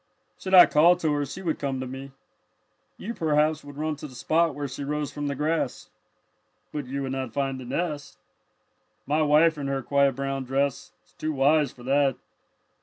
"Should I call to her she would come to me. You perhaps would run to the spot where she rose from the grass. But you would not find the nest. "My wife in her quiet brown dress is too wise for that.